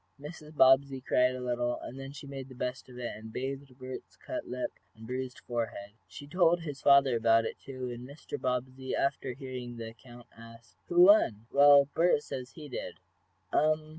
Mrs. Bobbsey cried a little, and then she made the best of it, and bathed Bert's cut lip and bruised forehead. She told his father about it, too, and Mr. Bobbsey, after hearing the account, asked: "Who won?" "Well, Bert says he did?" "Um.